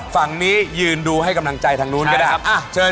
ฝั่งนี้ยืนดูให้กำลังใจทางนู้นก็ได้ครับเชิญ